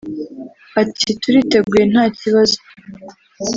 ati “Turiteguye nta kibazo